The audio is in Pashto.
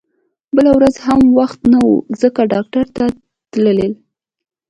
بله ورځ هم وخت نه و ځکه ډاکټر ته تلل